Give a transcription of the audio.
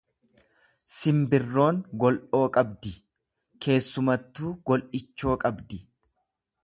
Simbirroon gol'oo qabdi, keessumattuu gol'ichoo qabdi.